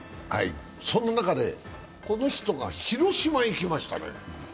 そんな中で、この人が広島へ行きましたね。